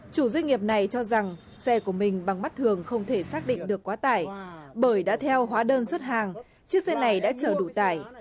chủ doanh nghiệp này cho rằng xe của mình bằng mắt thường không thể xác định được quá tải bởi đã theo hóa đơn xuất hàng chiếc xe này đã chở đủ tải